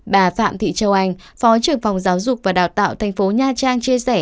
bà phạm thị châu anh phó trưởng phòng giáo dục và đào tạo tp nha trang chia sẻ